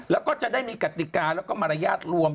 แล้วก็จะได้มีกติกาแล้วก็มารยาทรวม